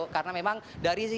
karena memang dari sepuluh garis